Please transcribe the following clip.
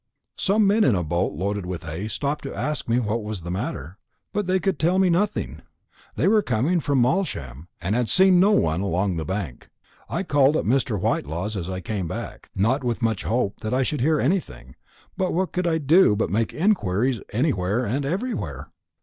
Some men in a boat loaded with hay stopped to ask me what was the matter, but they could tell me nothing. They were coming from Malsham, and had seen no one along the bank. I called at Mr. Whitelaw's as I came back, not with much hope that I should hear anything; but what could I do but make inquiries anywhere and everywhere?